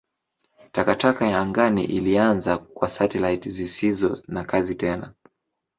Takataka ya angani ilianza kwa satelaiti zisizo na kazi tena.